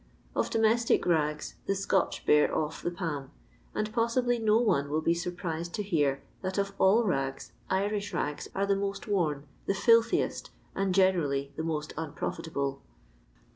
Of domestic rags, the Scotch bear off the palm ; and possibly no one will be surprised to hear, that of all ragi Irish rags are the most worn, the filthiest, and gene rally the most unprofitable.